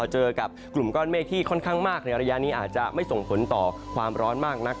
เจอกับกลุ่มก้อนเมฆที่ค่อนข้างมากในระยะนี้อาจจะไม่ส่งผลต่อความร้อนมากนัก